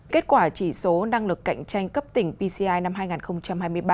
kết quả chỉ số năng lực cạnh tranh cấp tỉnh pci năm hai nghìn hai mươi ba